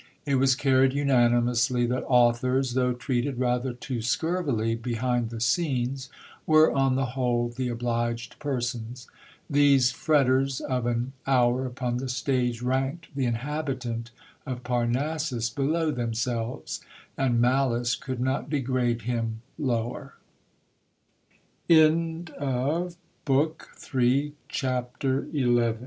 It was carried unanimously that authors, though treated rather too scurvily be hind the scenes, were on the whole the obliged persons. These fretters of an hour upon the stage ranked the inhabitant of Parnassus below themselves ; and malice could not degrade